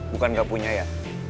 bukan gak punya ya